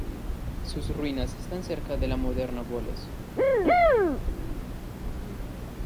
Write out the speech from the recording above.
Sus ruinas están cerca de la moderna Volos.